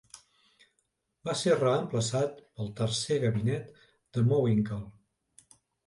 Va ser reemplaçat pel tercer gabinet de Mowinckel.